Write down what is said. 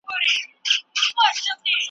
ده دعا وکړه چې څوک داسې زامن ونه لري.